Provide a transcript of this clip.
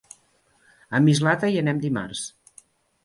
A Mislata hi anem dimarts.